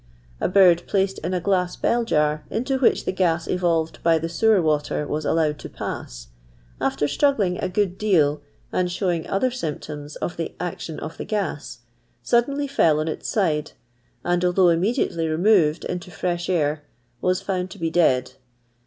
A bird placed in a glass bell jar, into which the gas evolved by the sewer water was allowed to pass, after strug gling a good deal, and showing other symptoms of the action of the gas, suddenly fell on its side, and, although immediately removed into fresh air, was found to be dead.